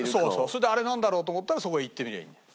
それであれなんだろう？と思ったらそこへ行ってみりゃいいの。